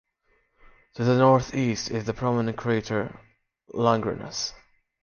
To the northeast is the prominent crater Langrenus.